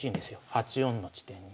８四の地点に。